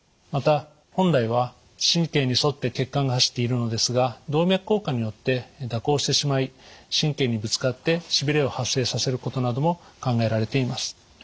また本来は神経に沿って血管が走っているのですが動脈硬化によって蛇行してしまい神経にぶつかってしびれを発生させることなども考えられています。